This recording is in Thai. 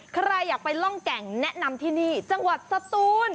ใครอยากไปล่องแก่งแนะนำที่นี่จังหวัดสตูน